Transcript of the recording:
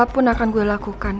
apa pun aku lakukan